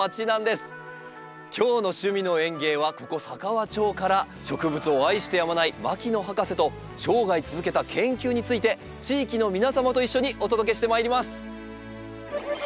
今日の「趣味の園芸」はここ佐川町から植物を愛してやまない牧野博士と生涯続けた研究について地域の皆様と一緒にお届けしてまいります。